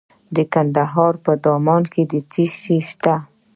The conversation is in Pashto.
د کندهار په دامان کې څه شی شته؟